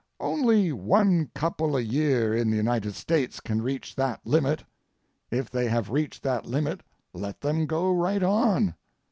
Only one couple a year in the United States can reach that limit. If they have reached that limit let them go right on.